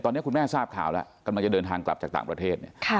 ตอนนี้คุณแม่ทราบข่าวแล้วกำลังจะเดินทางกลับจากต่างประเทศเนี่ย